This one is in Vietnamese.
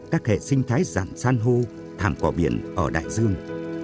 các hệ sinh thái dạng san hô thảm quả biển ở đại dương